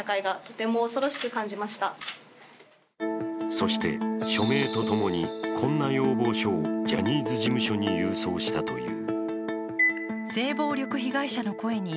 そして署名とともにこんな要望書をジャニーズ事務所に郵送したという。